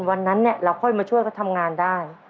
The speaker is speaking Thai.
วันนั้นเราค่อยมาช่วยเขาทำงานได้